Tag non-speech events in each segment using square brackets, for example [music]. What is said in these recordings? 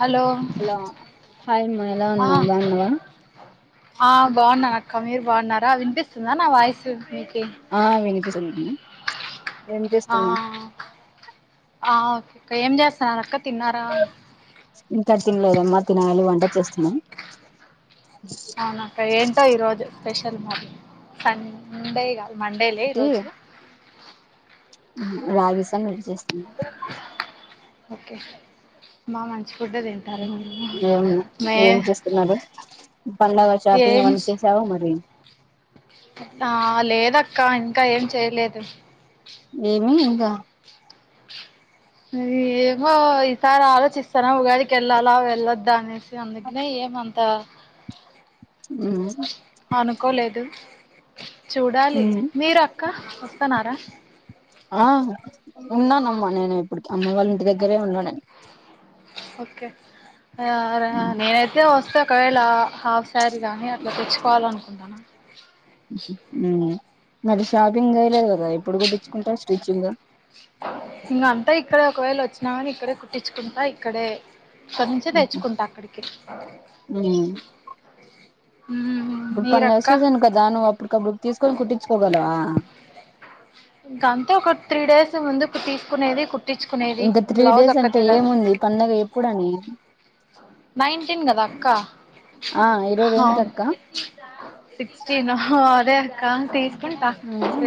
Hello hello hi అమ్మా ఎలా ఆ. ఉన్నావు బాగున్నావా ఆ బాగున్నాన్ అక్క. మీర్ బాగున్నారా వినిపిస్తుందా నా వాయిసు మీక్ ఆ వినిపిస్తుంది మా ఆ ఆ ఏంజేస్ అక్క తిన్నారా ఇంకా తినలేదమ్మా తినాలి వంట చేస్తున్నాను అవునక్క ఏంటో ఈరోజు స్పెషల్ మరి సండే గా మండేలే ఈ ఒకటి రోజు రాగి సంగటి చేస్తున్నా ఓకే మామ [unintelligible] ఏం మే ఏం చేస్తున్నారు పండగ షాపింగ్ ఏం అవన్నీ చేసావ మరి ఆ లేదక్క ఇంకా ఏం చేయలేదు ఏమి ఇంకా ఏమో ఈసారి ఆలోచిస్తాన్న ఉగాదికి వెళ్ళాలా వెళ్ళొద్దా అనేసి అందుకనే ఏమంత ఉమ్, అనుకోలేదు [unintelligible] చూడాలి ఉమ్, మీరు అ క్క వస్తున్నారా ఆ ఉన్నానమ్మా నేను ఇప్పటికి అమ్మ వాళ్ళ ఇంటి దగ్గరే ఉన్నా నేను ఓకే ఆ రా ఉమ్, నేనైతే వస్తా ఒకవేళ హా హాఫ్ శారీ కానీ అట్లా తెచ్చుకోవాలనుకుంటన్న హు హు హ్మ్ మరి షాపింగ్ చేయలేదు కదా ఎప్పుడు కుట్టించుకుంటవు స్టిచ్చింగ్ ఇంగా అంతా ఇక్కడే ఒకవేళ వచ్చినా కాని ఇక్కడే కుట్టించుకుంటా ఇక్కడే ఇక్కడ నుంచే తెచ్చుకుంటా అక్కడికి ఉమ్, ఇప్పుడు పండగ మీరక్క సీజన్ కదా నువ్వు అప్పుడుకప్పుడు తీసుకొని కుట్టించుకోగలవా ఇంక అంతే ఒక త్రీ డేస్ ముందు ఇప్పుడు తీసుకునేది కు ఇంకా త్రీ డేస్ అంటే ఏముంది పండగ ఎప్పుడని నైన్టీన్ కదా అక్క ఆ ఈరోజు ఆ ఎంతక్క సిక్స్టిన్ అదే కాన్ తీ ఆహా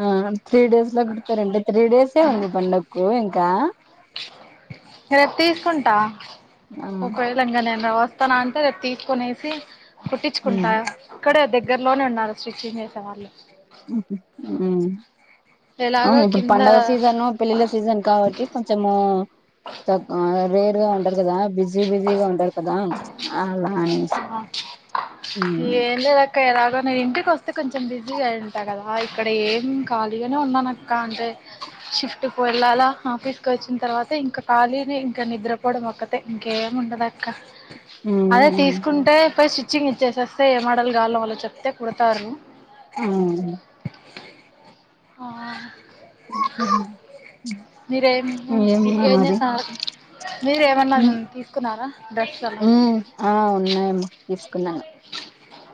హా ఆ త్రీ డేస్ లో కుడతారండి త్రీ డేస్ అటే ఉంది పండక్కు ఇంకా రేపు తీసుకుంటా ఆ ఒక వేళ ఇంగ నేను రావ స్తానంటే రేపు తీసుకునేసి ఉమ్ కుట్టించుకుంటా ఇక్కడే దగ్గ దగ్గర్లోనే ఉన్నారు స్టిచ్చింగ్ చేసే వాళ్ళు ఊహు ఎలాగో అవును ఇప్పుడు కింద పండుగ సీజను పెళ్లిల్ల సీజన్ కాబట్టి కొంచము త రేట్ బిజీగా ఉంటారు కదా బిజీ బిజీగా ఉంటారు కదా అలా అనేసి ఊ ఇంకా ఎలాగనో ఇంటికి వస్తే కొంచెం బిజీగా అయి ఉంటా కదా ఇక్కడ ఏం ఖాళీగానే ఉన్నాను అక్క అంటే షిప్ట్కి వెళ్ళాలా ఆఫీస్కిచ్చిన తర్వాత ఇంకా ఖాళీ ఇంకా నిద్రపో పోవడం ఒక్కటే ఇంకేం ఉండదక్క. అదే ఉమ్ తీసుకుంటే పోయి శి స్టిచింగ్ ఇచ్చేసస్తే ఏ మోడల్ కావాలో వాళ్లకి చెప్తే కుడతారు. ఆ ఆ మీరేం ఏం ఏమో మరి చేస్తున్నారు మీరు ఏమన్నా ఉమ్ తీసుకున్నారా డ్రస్సు అలా ఉమ్ ఆ ఉన్నాయమ్మా తీసుకున్నాను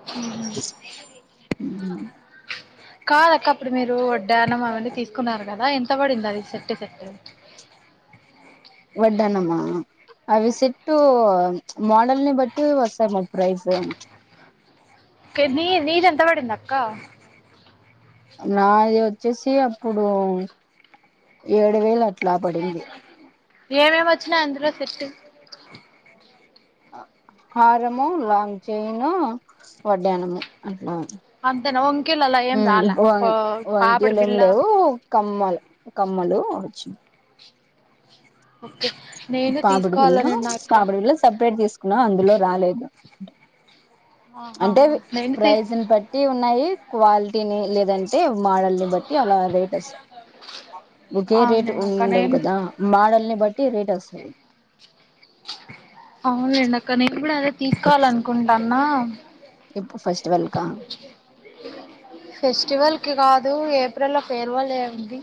హు [inaudible] కాదక్క అప్పుడు మీరు వడ్డానం అవన్నీ తీసుకున్నారు కదా ఎంత పడింది అది సెట్టు సెట్టు వడ్డనమా అవి సేట్టు మోడల్ని బట్టి వస్థన్నాయి ప్రైజ్ ఇంక నీ నీది ఎంత పడిందక్క నాది వచ్చేసి అప్పుడు ఏడు వేలు అట్లా పడింది. ఏమేమి వచ్చినాయి అందులో సెట్ హారము లాంగ్ చైను వడ్డానము అంతే అంతేనా వంకీలు అలా ఏం రాలా ఊ పాపడి వంకీలు ఏమి బిళ్ళ లేవు కమ్మలు కమ్మలు వచ్చినయి. ఓకే నేను పాపిడి బిల్ల తీసుకోవాలని ఉన్నా అక్క పాపీడి బిల్ల సపరేట్ తీసుకున్నా అందులో రాలేదు. ఆహా అంటే నేను తీ ప్రైజ్ని బట్టి ఉన్నాయి. క్వాలిటీని లేదన్ ంటే మాడల్ని బట్టి అలా రేట్ వస్తాయి ఒకే రేట్ అవునులేనక్క ఉండవు నేను కదా మాడల్ని బట్టి టీ రేట్ వస్తుంది. అవునలేండి అక్క నేనుకూడా అదే తీసుకోవాల అనుకుంటాన్నా ఇప్పుడు ఫేస్ట్ ఫెస్టివల్కి కాదు. దు ఏప్రిల్ లో ఫేర్వెల్ డే ఉంది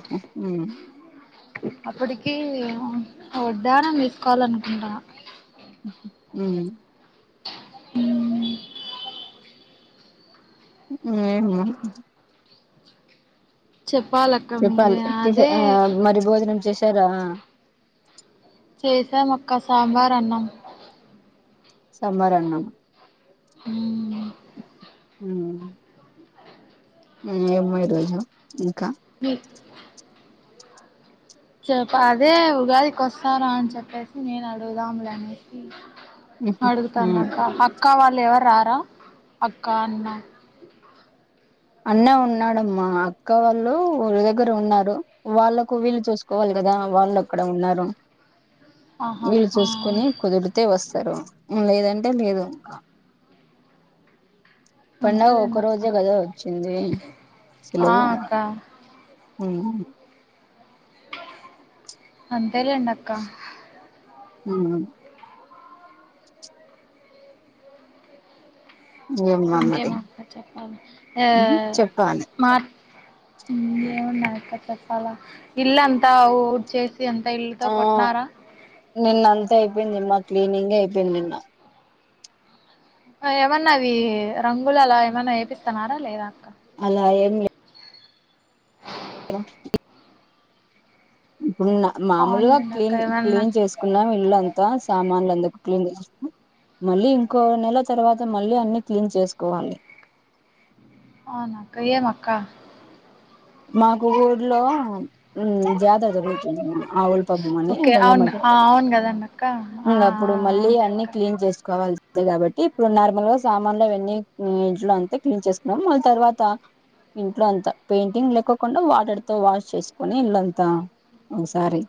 ఉ హు అప్పటికి ఒక వడ్డాణం తీసుకోవాలనుకుంటానా ఊమ్ [inaudible] ఊ హు చెప్పాలక్క చెప్పాలి మీరే టిఫిన్ అదే ఆ మరి భోజనం చేసి సారా చేసాం అక్క సాంబార్ అన్నం సాంబార్ అన్నం హ్మ్ ఉమ్ హు ఏమో ఈరోజు ఇంకా మీ చెప్పదే ఉగాదికి వస్తారా అని చెప్పేసి నేను అడుగుదాంలే అనేసి ఉహు ఉమ్ అడుగుతాన్నాక్క అక్క అక్క వాళ్ళు ఎవరు రారా అక్క, అన్నా అన్న ఉన్నాడమ్మా అక్క వాళ్ళు ఊరి దగ్గర ఉన్నారు. వాళ్ళకు వీలు చూసుకోవాలి కదా, వాళ్ళు అక్కడ ఉన్నారు. ఆహా వీలు ఆ చూసుకోని కుదిరితే వస్ స్తారు లేదంటే లేదు ఇంకా పండగ ఒక అంతేలేండి అక్క రోజే కదా వచ్చింది ఆ సెలవు అక్క ఉమ్ అంత్ తేలేండక్కా హూ ఏమో మరి ఇంకేమో అక్క చెప్పాలి ఆ చెప్పాలి మార్క్ ఏముండయక్క చెప్పాలి ఇల్లంతా ఊడిచేసి ఆ నిన్న అంతా అయిపోయింది మద్ క్లీనింగే అయిపోయింది నిన్న ఏమన్నా అవి రంగులు అలా ఏమన్నా వేపిస్తున్నారా, లేదా అక్క అలా ఏం లే [unintelligible] ఇప్పుడు మామూలుగా అవునండి అక్క క్లీన్ ఏమన్నా క్లీన్ చేసుకున్నాం ఇల్లం దా సామాన్లు అందుకు క్లీన్ చేసా మళ్ళీ ఇంకో నెల తర్వాత మళ్ళీ అన్ని క్లీన్ చేసుకోవాలి. అవునా అక్క ఏం అక్క మాకు ఊళ్లో హు జాతర జరుగుతుంది. ఆవుల పబ్బం అని ఓకే గంగమ్మ అవును జాతర అవును కదండి అక్క ఆ ఇంగ అప్పుడు మళ్ళీ అవునులే అన్ని అక్క క్లీన్ చేసుకోవాల్సి కాబట్టి ఇప్పుడు నార్మల్ గా సామాన్లు అవన్నీ ఇంట్లో అంతా క్లీన్ చేసుకున్నాం మళ్ళీ తర్వాత ఇంట్లో అంతా పెయిట్ టింగ్ లేకుండా వాటర్ తో వాష్ చేసుకొని ఇల్లంతా ఒకసారి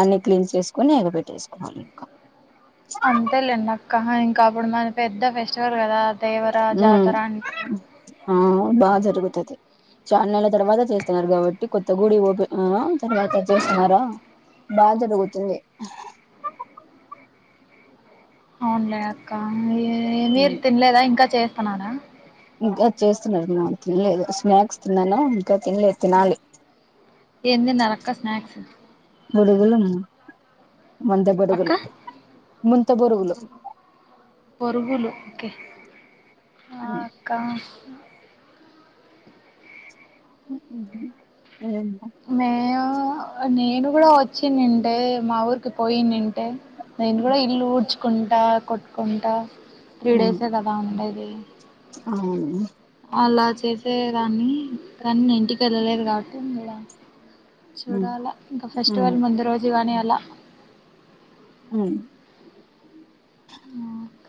అన్ని క్లీన్ చేసుకొని ఎగబెట్టేసుకోవాలి ఇంక అంతేలేండక్క ఇంకా అప్పుడు మన పెద్ద ఫెస్టివల్ కదా దేవర హు జాతర అంటే ఆ బా జరుగుతది ఛా నాళ్ల తర్వాత చేస్తున్నారు. కాబట్టి కొత్త గుడి ఓపెన్ ఆ తర్వాత చేస్తున్నారా బా జరుగుతుంది. అవునులే అక్క ఏ మీరు ఉమ్ తినలేదా ఇంకా చేస్ తిన్నాడ ఇంకా చేస్తున్నారు మా తినలేదు స్నాక్స్ తిన్నాను. ఇంకా తినలేదు తినాలి ఏం తిన్నారు అక్క స్నాక్స్ ముడుగులు అక్క ముంత బొరుగులు పోరుగులు ఒకే ఆ ఉమ్ అక్క [unintelligible] మేము నేను కూడా వచ్చినుంటే మా ఊరికి పోయినింటే నేను కూడా ఇల్ ఊడ్చ్ ఉంటా కొట్టుకుంట త్రీ ఉమ్ డేసే కదా ఉండేది అవును అలా చేసేదాన్ని కానీ ఇంటికి ఎల్లలేదు కాబట్టి ఉన్న ఈడ ఉమ్ చూడాల ఇంకా ఉమ్ ఫెస్టివల్ ముందు రోజు గాని ల హుమ్ ఆ అక్క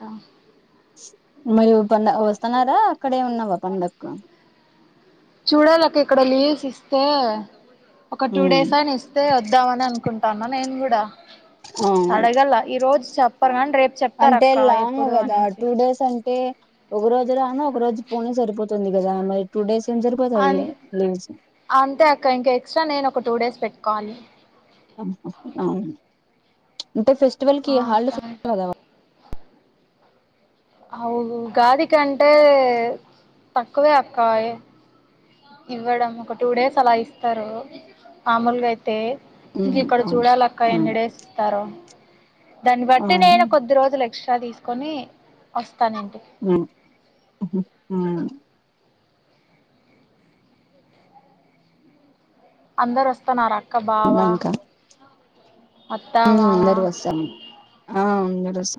మరి పండ వస్తున్నారా అక్కడే ఉన్నావ పండక్కు చూడలక్క ఇక్కడ లీవ్స్ ఇస్తే ఒక టూ ఉమ్ డేస్ అయిన ఇస్తే వొద్ద వనే అనుకుంటాన్న నేను గూడ అవును అడగళ్ల ఈ రోజు చెప్పరు గన్ రేపు చెప్తారూ అక్క ఎప్పుడు అనేసి టె ఒక రోజు రాను ఒక రోజు పోను సరిపోతుంది. కదా మరి టూ డేస్ ఏం సరిపోతాయి అం లీవ్స్ అంతే అక్క ఇంకా ఎక్స్ట్రా నేను ఒక టూ డేస్ పెట్టు కోవలి అవును అంటే ఫెస్టివల్ కి ఆ అక్క హాలిడేస్ [unintelligible] ఆ ఉగాది కంటే తక్కువే అక్క అయి ఇవ్వడం ఒక టూ డేస్ అలా ఇస్తారు మామూలుగ అయి తే ఇంక ఉమ్ ఇక్కడ అవును చూడాల అక్క ఉమ్ ఎన్ని డేస్ ఇస్తారో దాన్ని బట్టి అవును నేను కొద్ది రోజులు ఎక్స్ట్రా తీసు కొని ఆ ఉ ఉ హు ఉ అందరు వస్తన్నారా క బావ ఉమ్, ఇంకా అత్త ఉమ్ మామ అందరు వస్తాము ఆ అందరూ వస్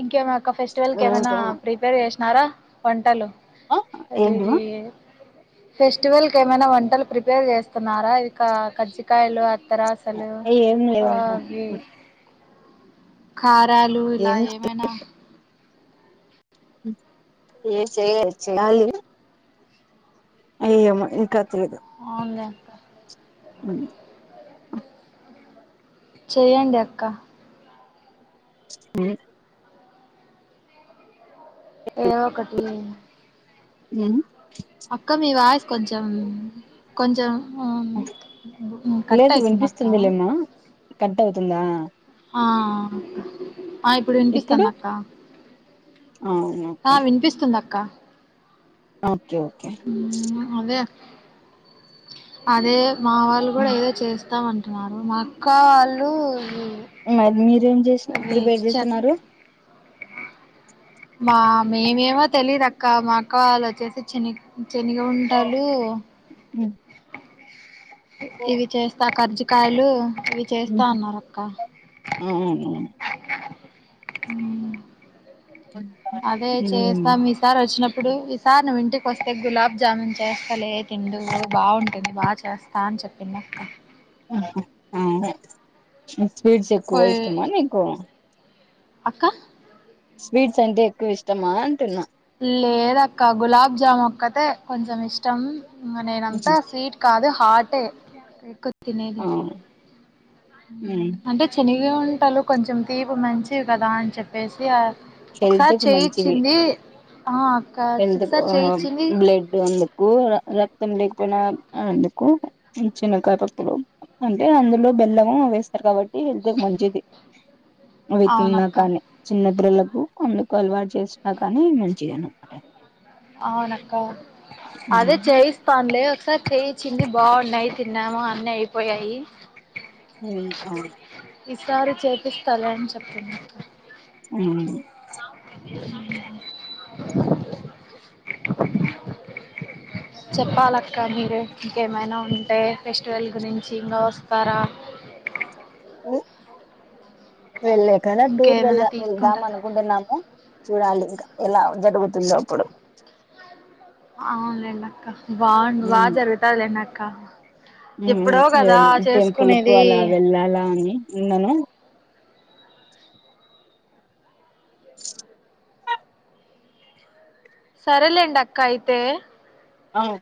ఇంకే మా ఫెస్టివల్ కి ఏమన్నా ఇంకేమ ప్రిపేర్ చేస్ నర వంటలు ఆ ఏంటిమా అదేది ఫెస్టివల్ కి ఏమైనా వంటలు ప్రిపేర్ చేస్తన్నారా ఇక కజ్జికాయలు తరాసలు ఏం లేవమ్మా అవి కా రాలు ఇల ఏం ఏ అనా ఏ చేయలే చేయాలి అయ్యమ్ ఇంకాత్ అవునులే అక్క ఉ చెయ్యండి అక్క ఉ ఏవకటి ఉ వాయిస్ కొంచెం కొంచెం ఉ లేదు కట్టయితుంది అక్క వినిపిస్తుందిలేమ్మా కట్ అవుతుందా ఆ ఆ ఇప్పుడు వినిపిస్తాంది అక్క అవును ఓకే క్క అ ఓకే ఓకే అదే అదే మా వాళ్ళు కూడా ఏదో చేస్తామంట న్నారు మా అక్క వాళ్ళు ఇ మరి మీరేం చేసి ప్రిపేర్ చ చేస్తున్నారు మా మేమేమో తెలీదు మా అక్క వాళ్ళు వచ్చేసి చినిక్ శనిగ ఉండలు ఇది చేస్తా ఖర్చు కాయిలు ఇవి చేస్తా అన్నారు అక్క. [inaudible] అవునవును అదే ఉమ్. చేస్తాం ఈసారి వచ్చినప్పుడు. ఇప్పుడు ఈసారి నువ్వు ఇంటికి వస్తే గులాబ్ జామున్ చేస్తాలే తిందు బాగుంటుంది బా చేస్తా అని చెప్పింది అక్క. ఉహు స్వీట్స్ ఎక్కువ పోయి ఇష్టమా నీకు అక్క స్వీట్స్ అంటే ఎక్కువ ఇష్టమా అంటున్నా లేదక్క గులాబ్ జాము ఒక్కతే కొంచం ఇష్టం. నేనంతా స్వీట్ కాదు హాట్ఏ తినేది ఆ, ఉమ్, అంటే చెన్న ఎ వంటలు కొంచెం తీపి మంచివి కదా అని చెప్పేసి ఒకసారి చేయిచ్చింది ఆ అక్క ఎల్త్ కో ఒకసారి చేయిచ్చింది బ్లడ్ వుంది కు రక్తం లేకపోయినా అందుకు చిన్నకాయత పాడ్తులు అంటే అందులో బెల్లం వేస్తారు కాబట్టి హెల్త్ కి మంచిది ఇవి అవునక్క తిన్నకనే చిన్నపిల్లలకు కొందుకు అలవాటు చేసినా కానీ మంచిగానే అవునక్క అదే చేయిస్తానులే ఒకసారి చేయిచింది బాగున్నాయి తిన్నాము అన్నీ అయిపోయాయి హూ హ ఈసారి చేపిస్తాలే అని చెప్తున్నారు ఉహు చెప్పాలక్క మీరే ఇంకేమైనా ఉంటే ఫెస్టివల్ గురించి ఇంకా వస్తారా ఉ వెళ్లేకన టూర్ ఇంకేమైనా వెళ్దా వెళ్దాం తీసుకుంటారా అనుకుంటున్నాము చూడాలి ఇంకా ఇలా జరుగుతుందో అప్పుడు అవునులేండి అక్క బాగుండు బాగా జరుగుతుందిలే నాక్ కా హూ ఏదైన టెంపుల్ కు అలా వెళ్ళాలా అని ఉన్నాను సరే లేండి అక్క అయితే. అవు